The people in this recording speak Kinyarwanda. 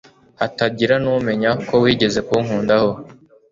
hatagira numenya ko wigeze kunkundaho